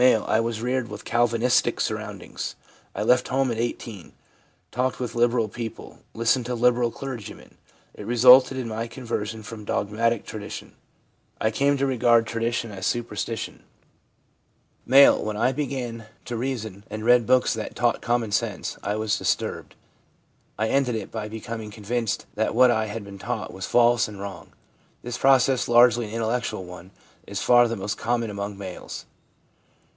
'I was reared with Calvinisticsurroundings. I left home at 18; talked with liberal people ; listened to liberal clergymen. It resulted in my conversion from dogmatic tradition. I came to regard tradition as superstition/ M. 'When 246 THE PSYCHOLOGY OF RELIGION I began to reason, and read books that taught common sense, I was disturbed. I ended it by becoming con vinced that what I had been taught was false and wrong/ This process, largely an intellectual one, is far the most common among males.